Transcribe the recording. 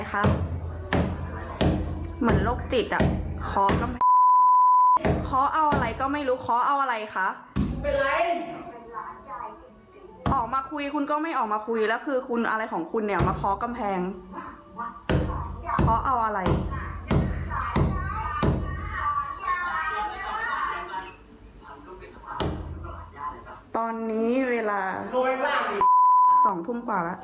ตอนนี้เวลา๒ทุ่มกว่าแล้วก็ยังขออยู่นะคะก็ยังขออยู่